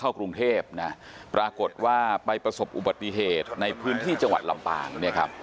เข้ากรุงเทพฯปรากฏว่าไปประสบอุบัติเหตุในพื้นที่จังหวัดลำปาง